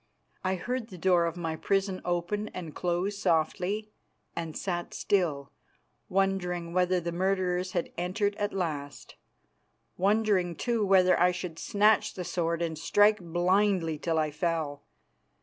I heard the door of my prison open and close softly, and sat still, wondering whether the murderers had entered at last, wondering, too, whether I should snatch the sword and strike blindly till I fell.